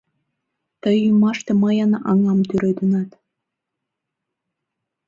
Тый ӱмаште мыйын аҥам тӱредынат...